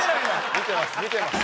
見てます